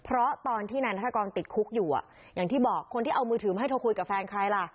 เพราะตอนที่นายธกรติดคุกอยู่อย่างที่บอกคนที่เอามือถือมาให้โทรคุยกับแฟนใครล่ะ